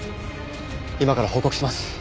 今から報告します。